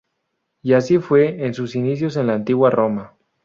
Y así fue en sus inicios en la Antigua Roma.